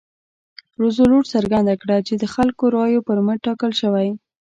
روزولټ څرګنده کړه چې د خلکو رایو پر مټ ټاکل شوی.